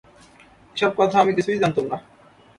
এ-সব কথা আমি কিছুই জানতুম না।